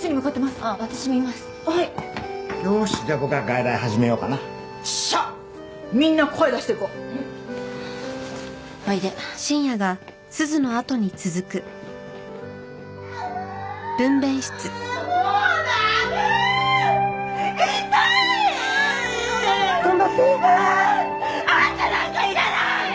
あんたなんかいらない！